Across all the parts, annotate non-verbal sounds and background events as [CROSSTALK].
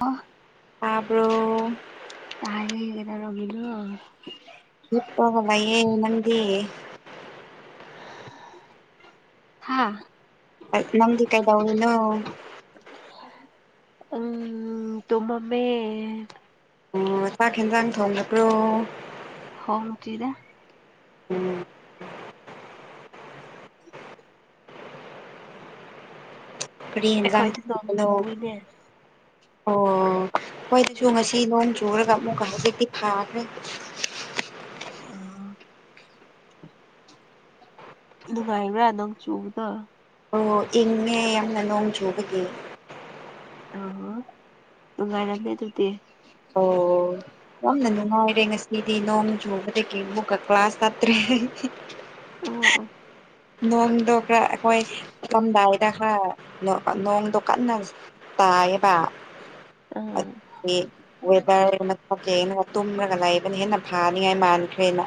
ꯑ ꯇꯥꯕ꯭ꯔꯣ ꯇꯥꯏꯦ ꯀꯩꯗꯧꯔꯥꯒꯦ ꯑꯗꯨ ꯍꯤꯞꯄꯒ ꯂꯩꯌꯦ ꯅꯪꯗꯤ ꯍꯥꯥ ꯅꯪꯒꯤ ꯀꯩꯗꯥꯎꯔꯤꯅꯣ ꯎꯝ ꯇꯨꯝ ꯃꯝꯃꯦ ꯑꯣ ꯆꯥꯛ ꯌꯦꯟꯖꯥꯡ ꯊꯣꯡꯂꯈ꯭ꯔꯣ ꯊꯣꯡꯗꯔ꯭ꯤꯗ ꯎꯝ ꯀꯔꯤ ꯑꯦꯟꯁꯥꯥꯡ ꯑꯩꯈꯣꯏꯗꯤ ꯅꯣꯡ ꯊꯣꯡꯗꯨꯏꯅꯣ ꯆꯨꯏꯅꯦ ꯑꯩꯈꯣꯢꯗꯥꯁꯨ ꯉꯁꯤ ꯅꯣꯡ ꯆꯨꯔꯒ ꯑꯃꯨꯛꯀ ꯍꯧꯖꯤꯛꯇꯤ ꯐꯥꯈ꯭ꯔꯦ ꯑ [INAUDIBLE] ꯅꯨꯡꯉꯥꯏꯕ꯭ꯔꯥ ꯅꯣꯡ ꯆꯨꯕꯗꯣ ꯑꯣ ꯏꯪꯉꯦ ꯌꯥꯝꯅ ꯅꯣꯡ ꯆꯨꯕꯒꯤ ꯅꯨꯡꯉꯥꯏꯔꯅꯤ ꯑꯗꯨꯗꯤ ꯑꯣ ꯑꯩꯗꯤ ꯅꯣꯡ ꯆꯨꯕꯗꯒꯤ ꯑꯃꯨꯛꯀ ꯀ꯭ꯂꯥꯁ ꯆꯠꯇ꯭ꯔꯦ ꯑꯣ ꯑꯣ ꯅꯣꯢꯗꯣ ꯈꯔꯥ ꯑꯩꯈꯣꯢ [INAUDIBLE] ꯗ ꯈꯔ ꯅꯣꯡꯗꯣ ꯀꯟꯅ ꯇꯥꯏꯌꯦꯕ ꯑꯥ ꯇ ꯃꯅ [INAUDIBLE] ꯇꯨꯝꯔꯒ ꯂꯩꯏꯕꯅ ꯍꯦꯟꯅ ꯐꯥꯅꯤꯡꯉꯥꯏ ꯃꯥꯟꯈ꯭ꯔꯦꯅ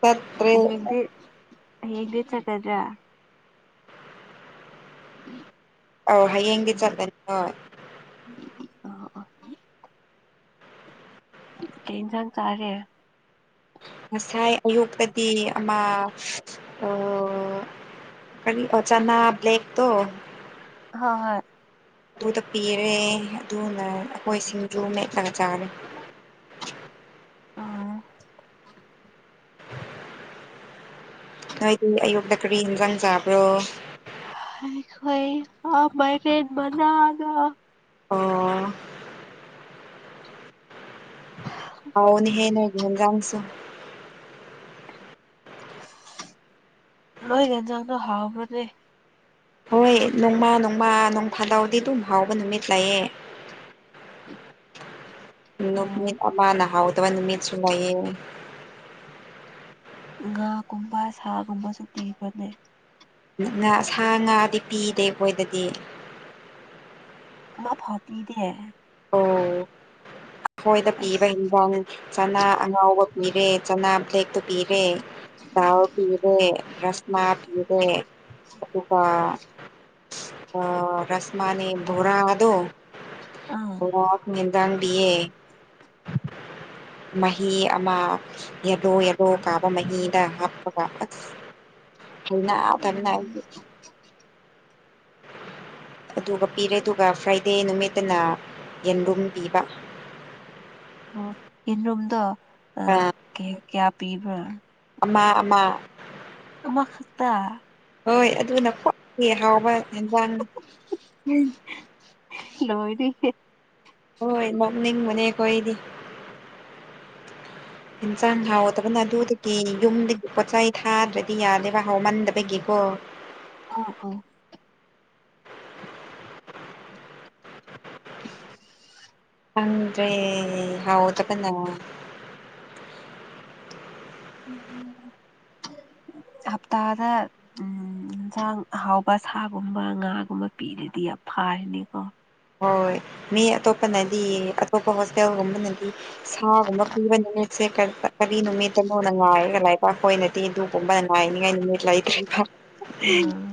ꯠꯇꯦ ꯦ ꯍꯦꯒ ꯦꯠꯀꯗ꯭ꯔꯥ ꯎꯝ ꯑ ꯍꯌꯦꯡꯗꯤ ꯆꯠꯀꯅꯤ ꯍꯣꯏ ꯑ ꯇ ꯏꯦꯟꯁꯥꯡ ꯀꯥꯔꯦꯦ ꯉꯁꯥꯏ ꯑꯌꯨꯛꯇꯗꯤ ꯑꯃ ꯀꯔꯤ ꯑꯣꯆꯅ ꯕ꯭ꯂꯦꯛ ꯇꯣ ꯍ ꯍ ꯑꯗꯨꯗ ꯄꯤꯔꯦ ꯑꯗꯨꯅ ꯑꯩꯈꯣꯏꯁꯤꯡꯁꯨ ꯃꯦꯠꯂꯒ ꯆꯔ ꯑꯥ [INAUDIBLE] ꯅꯣꯏꯗꯤ ꯑꯌꯨꯛꯇ ꯀꯔꯤ ꯏꯟꯖꯥꯡ ꯆꯥꯕ꯭ꯔꯣ ꯣꯏ ꯑ ꯃꯥꯏ ꯐ ꯃꯖꯥꯒ ꯑꯣ ꯑꯥꯎꯅꯤ ꯍꯦꯅ ꯍꯥꯏ ꯅꯗꯥꯥꯡꯁ ꯂꯣꯏꯒꯅꯤꯖꯅꯣ ꯍꯥꯎꯕ꯭ꯔꯗꯦ ꯍꯣꯏ ꯅꯣꯡꯃꯥ ꯅꯣꯡꯃꯥ ꯅꯣꯡꯐꯥꯂꯥꯎꯗꯤ ꯑꯗꯨꯝ ꯍꯥꯎꯕ ꯅꯨꯃꯤꯠ ꯂꯥꯛꯑꯦ ꯂ ꯑꯣ ꯃꯤꯄꯥꯅꯍꯥꯎꯗꯕ ꯅꯨꯃꯤꯠꯁꯨ ꯂꯩꯌꯦ ꯉꯥꯒꯨꯝꯕ ꯁꯥꯒꯨꯝꯕꯁꯨ ꯄꯤꯕꯅꯦ ꯉꯥ ꯁꯥ ꯉꯥꯗꯤ ꯄꯤꯗꯦ ꯑꯩꯣꯏꯗꯗꯤ ꯃ ꯐꯥꯎꯇꯤꯗꯤ ꯍꯥꯏ ꯑꯣ ꯑꯩꯈꯣꯏꯗ ꯄꯤꯕ ꯑꯩꯁ ꯏꯟꯖꯥꯡ ꯆꯅꯥ ꯑꯉꯥꯎꯕ ꯃꯤꯔꯦ ꯆ ꯄꯤꯔꯦ ꯇꯎ ꯄꯤꯔꯦ ꯔꯁꯃꯥ ꯄꯤꯔꯦ ꯑꯗꯨꯒꯄꯥ ꯑ ꯔꯁꯃꯅꯤ ꯕꯨꯣꯔꯥ ꯑꯗꯨꯗꯣ ꯑꯥ ꯔꯥꯛ ꯃꯤꯅꯤꯗꯥꯅ ꯌꯦ ꯃꯍꯤ ꯑꯃ ꯌꯦꯗꯣ ꯌꯥꯂꯣ ꯀꯥꯕ ꯃꯍꯤꯗ ꯍꯥꯞꯄꯒ ꯑꯁ ꯑꯗꯨ ꯇꯅ [UNINTELLIGIBLE] ꯑꯗꯨꯒ ꯄꯤꯔꯦ ꯑꯗꯨꯒ ꯐ꯭ꯔꯥꯏꯗꯦ ꯅꯨꯃꯤꯠꯇꯅ ꯌꯦꯟꯂꯨꯝ ꯄꯤꯕ [UNINTELLIGIBLE] ꯑꯣ ꯌꯦꯟꯔꯣꯝꯗꯣ ꯀꯌꯥ ꯄꯤꯕ꯭ꯔꯥ ꯑꯃ ꯑꯃ ꯑꯃꯈꯛꯇ ꯍꯣꯏ ꯑꯗꯨꯅ ꯀ꯭ꯋꯥꯤ ꯍꯥꯎꯕ ꯌꯦꯟꯖꯥꯡꯅ ꯎꯝ ꯍꯜꯂꯣ ꯍꯦ ꯍꯣꯏ ꯃꯝꯅꯤꯡ ꯃꯅꯦ ꯀꯣꯏꯗꯤ ꯏꯟꯁꯥꯡ ꯍꯥꯎꯗꯕꯅ ꯑꯗꯨꯗꯤ ꯌꯨꯝꯗꯒꯤ ꯄꯣꯠꯆꯥꯏ ꯊꯥꯗ꯭ꯔꯗꯤ ꯌꯥꯗꯦꯕ ꯍꯥꯎꯃꯟꯗꯕꯒꯤꯀꯣ ꯑꯣ ꯑꯥ ꯑꯥ [INAUDIBLE] [UNINTELLIGIBLE] ꯀꯦ ꯍꯑꯣꯗ ꯀ ꯎꯝ [UNINTELLIGIBLE] ꯍꯞꯇꯥꯗ ꯌꯦꯟꯁꯥꯡ ꯑꯍꯥꯎꯕ ꯁꯥꯒꯨꯝꯕ ꯉꯥꯒꯨꯝꯕ ꯄꯤꯔꯗꯤ ꯑꯐ ꯀꯥꯅꯤ ꯀꯣ ꯍꯣꯏ ꯃꯤ ꯑꯇꯣꯞꯄꯅꯗꯤ ꯑꯇꯣꯞꯄ ꯍꯣꯁꯇꯦꯜꯒꯨꯝꯕꯅꯗꯤ ꯁꯥꯒꯨꯝꯕ ꯀꯤꯕ ꯅꯨꯃꯤꯠꯁꯦ ꯀꯔꯤ ꯅꯨꯃꯤꯠꯇꯅꯣꯅ ꯉꯥꯏꯔꯒ ꯂꯥꯏ ꯆꯈꯣꯏꯅꯗꯤ ꯑꯗꯨꯒꯒꯨꯝꯕ ꯉꯥꯏꯅꯤꯉꯥꯏ ꯅꯨꯃꯤꯠ ꯂꯩꯇ꯭ꯔꯦꯀ ꯎꯝ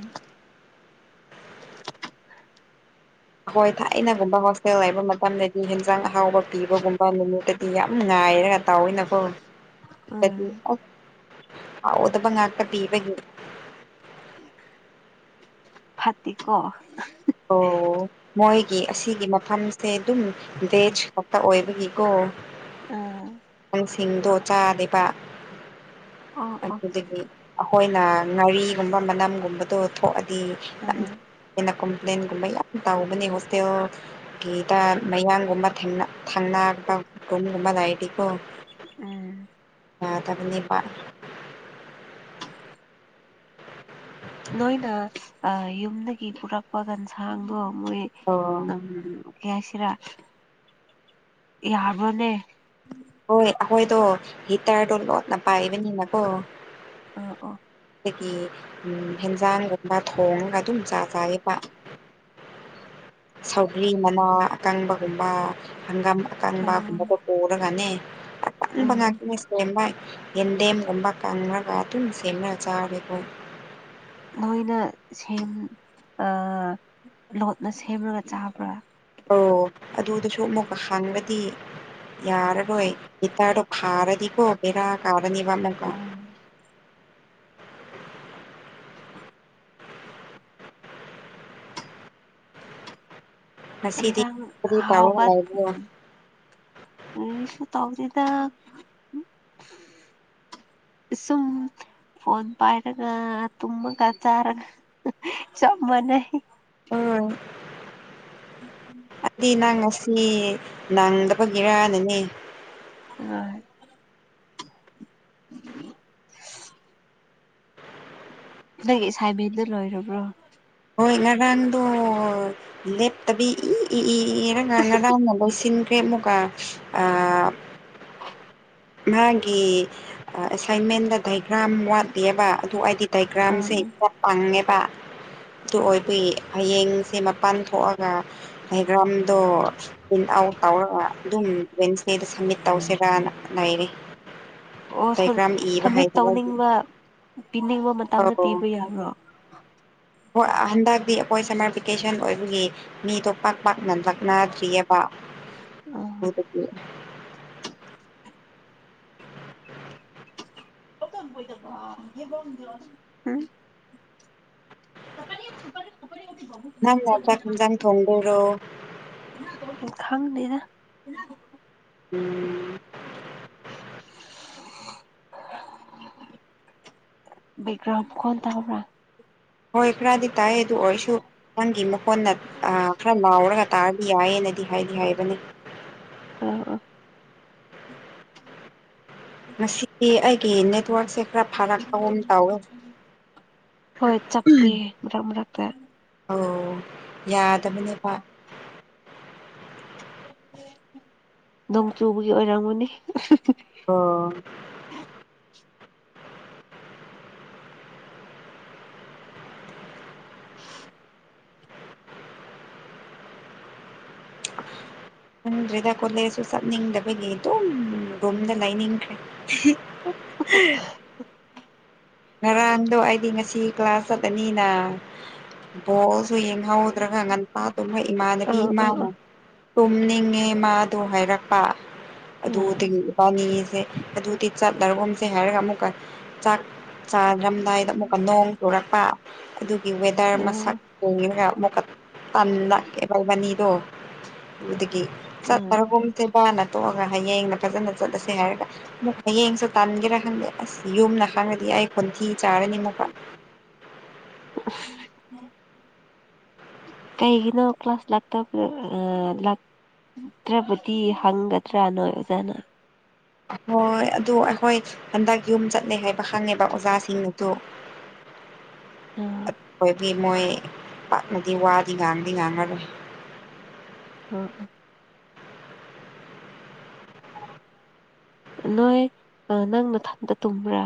ꯑꯩꯈꯣꯏ ꯊꯥꯏꯅꯒꯨꯝꯕ ꯍꯣꯁꯇꯦꯜ ꯂꯩꯕ ꯃꯇꯝꯗꯗꯤ ꯍꯦꯟꯖꯥꯡ ꯑꯍꯥꯎꯕ ꯄꯤꯕꯒꯨꯝꯕ ꯅꯨꯃꯤꯠꯇ ꯌꯥꯝ ꯥꯏꯔꯒ ꯇꯥꯎꯋꯏꯅꯀꯣꯗꯤ ꯎꯝ ꯑ ꯍꯥꯎꯗꯕ ꯉꯥꯛꯇ ꯄꯤꯕꯒꯤ ꯐꯥꯇꯤ ꯀꯣ ꯑꯣ ꯃꯣꯏꯒꯤ ꯑꯁꯤꯒꯤ ꯃꯐꯝꯁꯦ ꯑꯗꯨꯝ ꯚꯦꯖ ꯈꯛꯇ ꯑꯣꯏꯕꯒꯤꯀꯣ ꯑꯥ ꯁꯤꯡꯗꯣ ꯆꯥꯗꯕ ꯑꯣ ꯑꯣ ꯑꯗꯨꯗꯒꯤ ꯑꯩꯈꯣꯏꯅ ꯉꯥꯔꯤꯒꯨꯝꯕ ꯃꯅꯝꯒꯨꯝꯕꯗꯣ ꯊꯣꯛꯑꯗꯤ ꯎꯝ ꯌꯥꯝꯦꯅ ꯍꯣꯂꯦꯟꯒꯨꯝꯕ ꯌꯥꯝ ꯇꯧꯕꯅꯦ ꯍꯣꯁꯇꯦꯜꯒꯤꯗ ꯃꯌꯥꯝꯒꯨꯝꯕ ꯊꯪꯅ ꯀ ꯔꯝꯕ ꯂꯥꯏꯇꯤꯀꯣ ꯎꯝ ꯑ ꯇ ꯀꯄꯥ ꯅꯣꯏꯅ ꯌꯨꯝꯗꯒꯤ ꯄꯨꯔꯛꯄ ꯒꯟꯁꯥꯡꯗꯣ ꯃꯣꯏ ꯑꯣ ꯎ ꯌꯥꯏꯁꯤꯔ ꯌꯥꯕ꯭ꯔꯣꯅꯦ ꯍꯣꯏ ꯑꯩꯈꯣꯏꯗꯣ ꯍꯤꯇꯔꯗꯣ ꯂꯣꯠꯅ ꯄꯥꯏꯕꯅꯤꯅꯀꯣ ꯑ ꯑ ꯑꯗꯒꯤ ꯍꯦꯟꯖꯥꯡꯒꯨꯝꯕ ꯊꯣꯡꯒ ꯑꯗꯨꯝ ꯆꯥ ꯆꯥꯕ ꯁꯧꯒ꯭ꯔꯤ ꯃꯅꯥ ꯑꯀꯪꯕꯒꯨꯝꯕ ꯍꯪꯒꯝ ꯎꯝ ꯑꯀꯪꯕꯒꯨꯝꯕꯗꯣ ꯄꯨꯔꯒꯅꯦ ꯎꯝ ꯕꯉꯥꯏꯈꯤꯁꯥꯏ ꯌꯦꯟꯗꯦꯝꯒꯨꯝꯕ ꯀꯪꯉꯒ ꯑꯗꯨꯝ ꯁꯦꯝꯂꯒ ꯆꯥꯦꯀꯣ ꯅꯣꯏꯅ ꯁ ꯂꯣꯠꯅ ꯁꯦꯝꯃꯒ ꯆꯥꯕ꯭ꯔꯥ ꯑꯣ ꯑꯗꯨꯗꯁꯨ ꯑꯃꯨꯛꯀ ꯍꯥꯡꯒꯗꯤ ꯌꯥꯔꯔꯣꯏ ꯒꯤꯇꯥꯗꯣ ꯐꯥꯔꯅꯤꯀꯣ ꯕꯦꯔꯥ ꯀꯥꯔꯅꯤꯕ ꯑꯃꯨꯀꯣ ꯎꯝ ꯉꯁꯤꯗꯤ ꯖ ꯀꯔꯤ ꯇꯧꯔꯒ ꯍꯥꯎꯕ ꯂꯩꯕ꯭ꯔꯣ ꯎ ꯏꯁꯨ ꯇꯧꯗ ꯑ [UNINTELLIGIBLE] ꯁꯣ ꯐꯣꯟꯣꯟ ꯄꯥꯏꯔꯒ ꯇꯨꯝꯃ ꯀꯆꯔꯒ ꯁꯃꯅ ꯍꯣꯏ ꯑꯗꯨꯗꯤ ꯅꯪ ꯉꯁꯤ ꯅꯪꯗꯕꯒꯤꯔꯥꯅꯅꯦ ꯑ ꯅꯪꯥꯏꯕꯤꯦꯟꯗꯨ ꯂꯣꯏꯔꯕ꯭ꯔꯣ ꯍꯣꯏ ꯉꯔꯥꯡꯗꯣ ꯂꯦꯞꯇꯕꯤ ꯏꯔꯒ ꯉꯔꯥꯡꯅ ꯂꯣꯏꯁꯤꯟꯈ꯭ꯔꯦ ꯐꯃꯨꯀ ꯃꯥꯒꯤ ꯑꯦꯁꯥꯏꯟꯃꯦꯟꯗ ꯗꯥꯏꯒ꯭ꯔꯥꯝ ꯋꯥꯠꯂꯤꯑꯕ ꯑꯗꯨ ꯍꯥꯏꯗꯤ ꯗꯥꯏꯒ꯭ꯔꯥꯝꯁꯦ ꯑꯥ ꯈꯔ ꯄꯪꯉꯦꯕ ꯑꯗꯨ ꯑꯣꯏꯕꯏ ꯍꯌꯦꯡꯁꯦ ꯃꯄꯥꯟ ꯊꯣꯛꯑꯒ ꯍꯩꯒ꯭ꯔꯥꯝꯗꯣ ꯇꯔꯒ ꯑꯗꯨꯝ ꯋꯦꯟꯁꯗꯦꯗ ꯁꯃꯤꯠ ꯇꯧꯁꯤꯔꯅ ꯂꯩꯔꯤ ꯑꯣꯣ ꯗꯥꯏꯒ꯭ꯔꯥꯝ ꯏꯕ ꯁꯝꯃꯤꯠ ꯍꯩꯇꯕꯒꯤ ꯇꯧꯅꯤꯡꯕ ꯄꯤꯅꯤꯡꯕ ꯃꯇꯝꯗ ꯑꯧ ꯄꯤꯕ ꯌꯥꯕ꯭ꯔꯣ ꯍꯣꯏ ꯍꯟꯗꯛꯇꯤ ꯑꯩꯈꯣꯏ ꯁꯝꯃꯔ ꯚꯦꯀꯦꯁꯟ ꯑꯣꯏꯕꯒꯤ ꯃꯤ ꯇꯣꯄ ꯄꯛꯅꯟ ꯄꯛꯅꯗ꯭ꯔꯤꯑꯕ ꯑꯥ ꯑꯗꯨꯗꯤ ꯀꯕꯣꯏꯗ ꯌꯦꯕꯗ ꯁꯀ ꯁꯨꯄ ꯅꯪ ꯅ ꯆꯥꯛ ꯊꯖꯥꯡ ꯊꯣꯡꯗꯦꯔꯣ [UNINTELLIGIBLE] ꯎꯝ ꯕꯤꯒ꯭ꯔꯝ ꯈꯣꯣꯟꯗ ꯑꯃꯥ ꯍꯣꯏ ꯈꯔꯗꯤ ꯇꯥꯏ ꯑꯗꯨ ꯑꯣꯏꯔꯁꯨ ꯅꯪꯒꯤ ꯃꯈꯣꯟꯅ ꯈꯔ ꯂꯥꯎꯔꯒ ꯇꯥꯗꯤ ꯌꯥꯏꯌꯦꯅꯗꯤ ꯍꯥꯏꯗꯤ ꯍꯥꯏꯕꯅꯤ ꯑ ꯑꯥ ꯉꯁꯤꯗꯤ ꯑꯩꯒꯤ ꯅꯦꯠꯋꯔꯛꯁꯦ ꯈꯔ ꯐꯥꯔꯛꯄꯝ ꯇꯧꯋꯦ ꯍꯣꯏ ꯆꯠꯄꯦ ꯃꯔꯛ ꯃꯔꯛꯇꯛꯇ ꯑꯣ ꯌꯥꯗꯕꯅꯦ ꯅꯣꯡ ꯆꯨꯕꯒꯤ ꯑꯣꯏꯔꯝꯒꯅꯤ ꯑꯣ [UNINTELLIGIBLE] ꯈꯪꯗ꯭ꯔꯦꯗ ꯀꯣꯂꯦꯖꯁꯨ ꯆꯠꯅꯤꯡꯗꯕꯒꯤ ꯑꯗꯨꯝ ꯔꯨꯝꯗ ꯂꯩꯅꯤꯡꯈ꯭ꯔꯦ [UNINTELLIGIBLE] ꯉꯔꯥꯡꯗꯣ ꯑꯩꯗꯤ ꯉꯁꯤ ꯀ꯭ꯂꯥꯁ ꯆꯠꯂꯅꯤꯅ ꯕꯣꯁ ꯁꯨ ꯌꯦꯡꯍꯧꯧꯗ꯭ꯔꯒ ꯉꯟꯄꯥꯗꯨꯒ ꯏꯃꯥꯟꯅꯕꯤ ꯑꯥ ꯑꯥ ꯑꯥ ꯏꯃꯥꯅ ꯇꯨꯝꯅꯤꯡꯉꯦ ꯃꯥꯗꯣ ꯍꯥꯏꯔꯛꯄ ꯑꯗꯨ ꯑꯥ ꯇꯤꯡꯉꯕꯅꯤ ꯁꯦ ꯑꯗꯨꯗꯤ ꯆꯥꯛ ꯔꯒꯣꯝꯁꯦ ꯍꯥꯏꯔꯒ ꯑꯃꯨꯛꯀ ꯆꯥꯛ ꯆꯥꯗꯔꯝꯗꯥꯏꯗ ꯑꯃꯨꯛꯀ ꯅꯣꯡ ꯇꯨꯔꯛꯄ ꯑꯗꯨ ꯋꯦꯗꯔ ꯃꯁꯛ ꯑꯥ ꯌꯦꯡꯉꯒ ꯑꯃꯨꯛꯀ ꯇꯟ ꯂꯛꯀꯦ ꯕꯜꯚꯅꯤꯗꯣ ꯑꯗꯨꯗꯒꯤ ꯆꯠꯇꯔꯒꯨꯝ ꯊꯦ ꯄꯅ ꯇꯣꯛꯑꯒ ꯍꯌꯦꯡꯅ ꯐꯖꯅ ꯆꯠꯂꯁꯦ ꯍꯥꯏꯔꯒ ꯑꯃꯨꯛ ꯍꯌꯦꯡꯁꯨ ꯇꯥꯟꯒꯦꯔꯥ ꯈꯪꯗꯦ ꯑꯁ ꯌꯨꯝꯅ ꯈꯪꯉꯗꯤ ꯑꯩ ꯍꯟꯊ ꯆꯥꯔꯅꯤꯃ ꯀ ꯎꯝ ꯀꯩꯒꯤꯅꯣ ꯀ꯭ꯂꯥꯁ ꯂꯥꯛꯇꯕ ꯗ꯭ꯔꯕꯗꯤ ꯍꯪꯒꯗ꯭ꯔꯥ ꯅꯣꯏ ꯑꯣꯖꯥꯅ ꯍꯣꯏ ꯑꯗꯨ ꯑꯩꯈꯣꯏ ꯍꯟꯗꯛ ꯌꯨꯝ ꯆꯠꯂꯦ ꯍꯥꯏꯕ ꯈꯪꯉꯦꯕ ꯑꯣꯖꯥꯁꯤꯡꯅꯁꯨ [INAUDIBLE] ꯑꯥ ꯒꯤ ꯃꯣꯏ ꯄꯥꯛꯅꯗꯤ ꯋꯥꯗꯤ ꯉꯥꯡꯗꯤ ꯉꯥꯡꯉꯔꯣꯏ ꯑ ꯅꯣꯏ ꯅꯪ ꯃꯊꯟꯗ ꯇꯨꯝꯕ꯭ꯔꯥ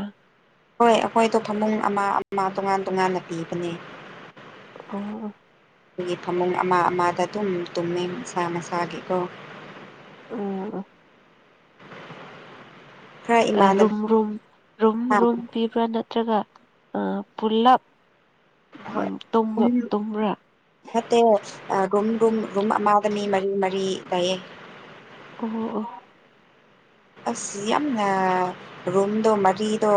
ꯍꯣꯏ ꯑꯩꯈꯣꯏꯗꯣ ꯐꯃꯨꯡ ꯑꯃ ꯑꯃ ꯇꯣꯉꯥꯟ ꯇꯣꯉꯥꯟꯅ ꯄꯤꯕꯅꯦ ꯑ ꯑꯩꯣꯏꯒꯤ ꯐꯃꯨꯡ ꯑꯃ ꯑꯃꯗ ꯑꯗꯨꯝ ꯇꯨꯝꯃꯦ ꯃꯁꯥ ꯃꯁꯥꯒꯤꯀꯣ ꯑꯥ ꯈꯔ ꯏꯃꯥꯟꯅꯕꯤ ꯔꯨꯝ ꯔꯨꯝ ꯔꯨꯝ ꯔꯨꯝ ꯄꯤꯕ꯭ꯔꯥ ꯅꯠꯇ꯭ꯔꯒ ꯄꯨꯂꯞ ꯎꯝ ꯍꯣꯏ ꯇꯨꯝꯕ ꯎꯝ ꯇꯨꯝ꯭ꯔꯥ ꯅꯠꯇꯦ ꯔꯨꯝ ꯔꯨꯝ ꯔꯨꯝ ꯑꯃꯗ ꯃꯤ ꯃꯔꯤ ꯃꯔꯤ ꯂꯩꯥꯏꯌꯦ ꯑꯣ ꯑꯣ ꯑꯁ ꯌꯥꯝꯅ ꯔꯨꯝꯗꯣ ꯃꯔꯤꯗꯣ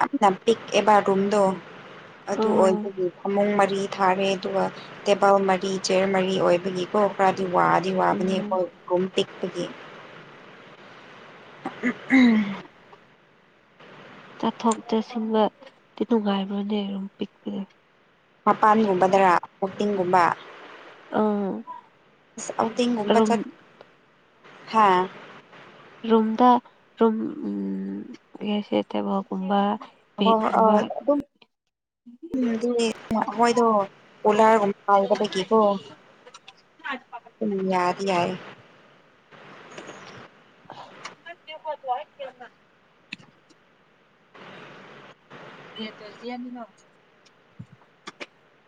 ꯌꯥꯝꯅ ꯄꯤꯛꯑꯕ ꯔꯨꯝꯗꯣ ꯑꯗꯨ ꯑꯣ ꯑꯣꯏꯕꯒꯤ ꯐꯃꯨꯡꯔꯤ ꯊꯥꯔꯦ ꯑꯗꯨꯒ ꯇꯦꯕꯜ ꯃꯔꯤ ꯆꯦꯌꯔ ꯃꯔꯤ ꯑꯣꯏꯕꯒꯤꯀꯣ ꯋꯥꯗꯤ ꯋꯥꯕꯅꯤ ꯎꯝ ꯑꯩꯈꯣꯏ ꯒꯨꯝ ꯇꯤꯛꯄꯒꯤ ꯎꯝ ꯎꯝ ꯆꯥꯠꯊꯣꯛ ꯆꯠꯁꯤꯟꯕꯗꯤ ꯅꯨꯡꯉꯥꯏꯕ꯭ꯔꯥꯅꯦ ꯑꯗꯨꯝ ꯄꯤꯛꯄꯗ ꯃꯄꯥꯟꯒꯨꯝꯕꯗꯔ ꯀꯥꯛꯆꯤꯡꯒꯨꯝꯕ ꯑꯥ ꯔꯨꯝ ꯄ ꯍꯥ ꯔꯨꯝꯝꯗ ꯔꯨꯝ ꯎꯝ ꯌꯦꯁꯦꯠꯇꯕ ꯀꯨꯝꯕ ꯑ ꯑ ꯑꯗꯨꯝ ꯎꯝꯗꯤ ꯑꯩꯈꯣꯏꯗꯣ ꯑꯣꯂꯥꯔꯒꯨꯝꯕ ꯍꯥꯏꯒꯕꯒꯤꯦꯀꯣ ꯎꯝ ꯌꯥꯔ ꯌꯥꯔꯦ ꯋꯥ ꯍꯥꯏ ꯀꯅ ꯔꯇꯖꯤ ꯌꯥꯝꯅꯤꯅꯣ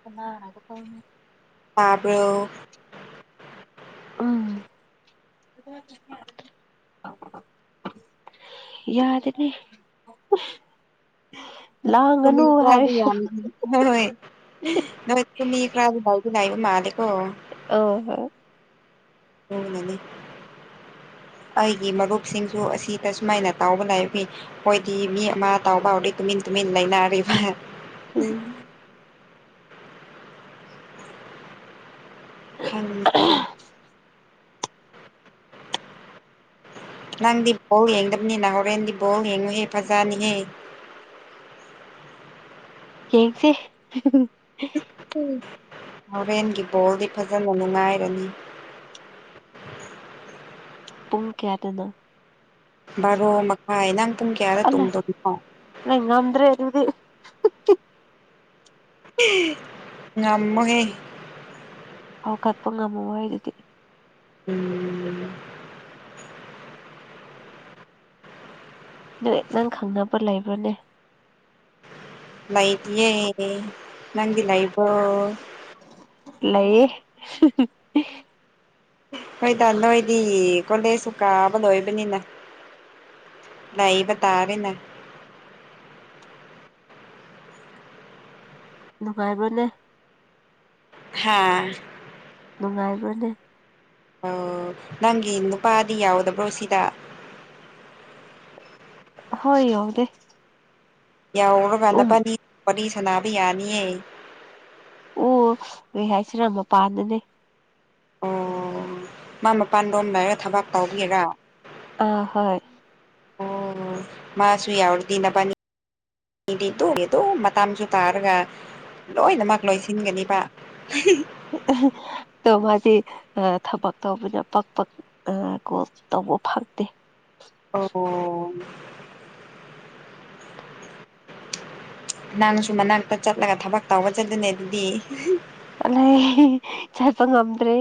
ꯀꯅꯥꯅ ꯀ ꯐ ꯇꯥꯕ꯭ꯔꯣ ꯎꯝ ꯌꯥꯗꯅꯦ ꯀꯃꯤ ꯀꯥꯕꯤ ꯌꯥꯅꯤ ꯍꯣꯏ ꯅꯣꯏꯃꯤ ꯀ꯭ꯔꯥꯕꯤ ꯂꯏꯕ ꯃꯥꯂꯀꯣ ꯑ ꯍꯣ ꯍꯅꯅꯤ ꯑꯩꯒꯤ ꯃꯔꯨꯞꯁꯤꯡꯁꯨ ꯑꯁꯤꯗ ꯁꯨꯃꯥꯏꯅ ꯇꯥꯎꯕ ꯂꯥꯏꯛꯏ ꯍꯣꯏꯗꯤ ꯃꯤ ꯑꯃ ꯇꯥꯎꯕ ꯍꯧꯥꯎꯔꯗꯤ ꯇꯨꯃꯤꯟ ꯇꯨꯃꯤꯟ ꯂꯩꯅꯔꯤꯕ ꯑ ꯈ ꯅꯪꯗꯤ ꯕꯣꯜ ꯌꯦꯡꯗꯕꯅꯤ ꯅꯍꯣꯔꯦꯟꯗꯤ ꯕꯣꯜ ꯌꯦꯡꯉꯨꯍꯦ ꯐꯖꯅꯤꯍꯦ [INAUDIBLE] ꯌꯦꯡꯁꯤꯦ ꯍꯣꯔꯦꯟꯒꯤ ꯕꯣꯜꯗꯤ ꯐꯖꯅ ꯅꯨꯡꯉꯥꯏꯔꯅꯤ [INAUDIBLE] ꯄꯨꯡ ꯀꯌꯥꯗꯅ ꯕꯥꯔꯣ ꯃꯈꯥꯏ ꯅꯪ ꯄꯨꯡ ꯀꯌꯥꯗ ꯑꯂ ꯇꯨꯝꯗꯣꯏꯅꯣ ꯅꯪ ꯉꯗ꯭ꯔꯦ ꯑꯗꯨꯗꯤ ꯉꯃꯒꯦ ꯍꯧꯥꯎ ꯀꯠꯄ ꯉꯝꯃꯣ ꯑꯩ ꯑꯗꯨꯗꯤ ꯎꯝ ꯅꯪ ꯅꯪ ꯈꯪꯅꯕꯕ ꯂꯩꯕꯅꯦ ꯂꯩꯥꯏꯇꯑꯦ ꯅꯗꯤ ꯂꯩ ꯂꯩꯕꯣ ꯂꯩꯌꯦ ꯍꯣꯏꯗ ꯅꯣꯏꯗꯤ ꯀꯣꯂꯦꯁꯨ ꯀꯥꯕ ꯂꯣꯏꯕꯅꯤꯅ ꯂꯩꯏꯕ ꯇꯥꯕꯅ ꯅꯨꯡꯉꯥꯏꯕꯅꯦ ꯍꯥꯥ ꯅꯨꯡꯉꯥꯏꯕꯅꯦ ꯑꯣ ꯅꯪꯒꯤ ꯅꯨꯄꯥꯗꯤ ꯌꯥꯎꯗꯕ꯭ꯔꯣ ꯁꯤꯗ ꯍꯣꯏ ꯌꯗ ꯌꯥꯎꯔꯔꯕꯅꯅꯤ ꯋꯥꯔꯤꯅꯤ ꯁꯅꯥꯕ ꯌꯥꯅꯤꯌꯦ ꯑꯣ ꯀꯩ ꯍꯥꯏꯁꯤꯔꯥ ꯃꯄꯥꯟꯗꯅꯦ ꯑꯣ ꯃꯥ ꯃꯄꯥꯟ ꯂꯣꯝ ꯂꯩꯔ ꯊꯕꯥꯛ ꯇꯧꯕꯕꯤꯔꯥ ꯑ ꯍꯣꯏ ꯑꯣ ꯃꯥ ꯁꯨꯏ ꯌꯥꯎꯔꯗꯅ ꯄ ꯃꯤꯗꯤꯗꯗꯣ ꯃꯇꯝꯁꯨ ꯇꯥꯔꯒ ꯂꯣꯏꯅꯃꯛ ꯂꯣꯏꯁꯤꯟꯒꯅꯤꯕ ꯑꯣ ꯃꯥꯗꯤ ꯊꯕꯛ ꯇꯧꯕꯅ ꯄꯛ ꯄꯛ ꯀꯣ ꯇꯧ ꯕꯨ ꯐꯒꯗꯦ ꯑꯣ ꯅꯪꯅꯁꯨ ꯃꯅꯥꯛꯇ ꯆꯠꯂꯒ ꯊꯕꯛ ꯇꯧꯕꯒ ꯆꯠꯂꯅꯦ ꯑꯗꯨꯗꯤ ꯑꯂ ꯆꯠꯄ ꯉꯝꯗ꯭ꯔꯦ